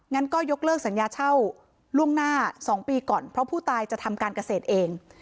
งั้นก็ยกเลิกสัญญาเช่าล่วงหน้า๒ปีก่อนเพราะผู้ตายจะทำการเกษตรเอง